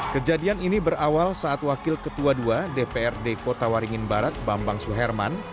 kejadian ini berawal saat wakil ketua ii dprd kota waringin barat bambang suherman